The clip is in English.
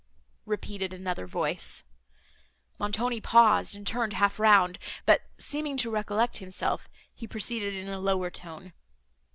repeated another voice. Montoni paused, and turned half round, but, seeming to recollect himself, he proceeded in a lower tone.